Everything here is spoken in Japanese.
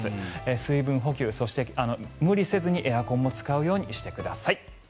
水分補給、そして無理せずにエアコンも使うようにしてください。